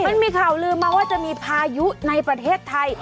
มันมีข่าวลืมมาว่าจะมีพายุในประเทศไทย